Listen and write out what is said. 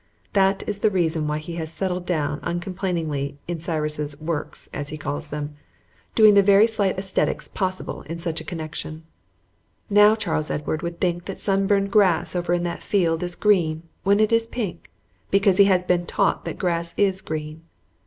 That is the reason why he has settled down uncomplainingly in Cyrus's "Works," as he calls them, doing the very slight aesthetics possible in such a connection. Now Charles Edward would think that sunburned grass over in that field is green, when it is pink, because he has been taught that grass is green.